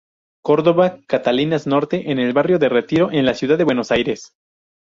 Córdoba, Catalinas Norte, en el barrio de Retiro, en la Ciudad de Buenos Aires.